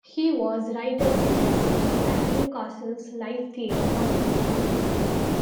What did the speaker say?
He was writer-in-residence at Newcastle's Live Theatre Company.